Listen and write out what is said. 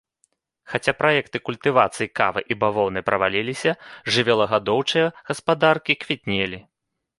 Хаця праекты культывацыі кавы і бавоўны праваліліся, жывёлагадоўчыя гаспадаркі квітнелі.